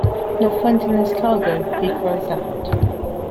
Not finding his cargo, he cries out.